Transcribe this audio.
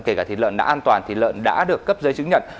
kể cả thịt lợn đã an toàn thịt lợn đã được cấp giấy chứng nhận